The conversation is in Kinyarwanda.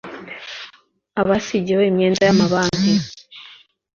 abasigiwe imyenda y amabanki